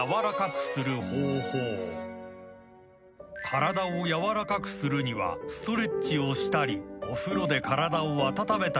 ［体をやわらかくするにはストレッチをしたりお風呂で体を温めたりする］